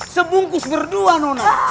sebungkus berdua nona